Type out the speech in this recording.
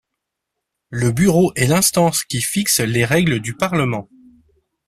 Le Bureau est l'instance qui fixe les règles du Parlement.